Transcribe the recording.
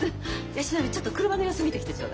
椰子の海ちょっと車の様子見てきてちょうだい。